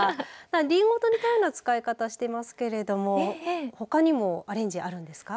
りんごと似たような使い方をしていますけれどもほかにもアレンジあるんですか。